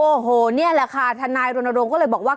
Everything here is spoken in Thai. โอ้โหนี่แหละค่ะทนายรณรงค์ก็เลยบอกว่า